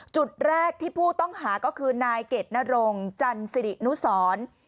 จุดแรกที่ผู้ต้องหาก็คือนายเกดนรงจันสิรินุสร